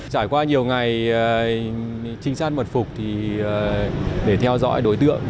trải qua nhiều ngày trinh sát mật phục để theo dõi đối tượng